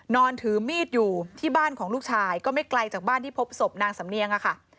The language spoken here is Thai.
นอนถือมีดอยู่ที่บ้านของลูกชายก็ไม่ไกลจากบ้านที่พบศพนางสำเนียงอะค่ะ